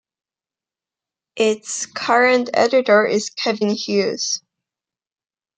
Its current editor is Kevin Hughes.